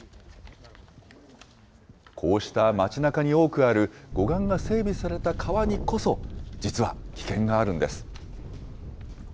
こうした街なかに多くある、護岸が整備された川にこそ、実は危険があるんです。